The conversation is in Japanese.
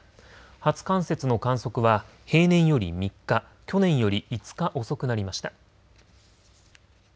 初冠雪の観測は平年より３日、去年より５日遅くなりました。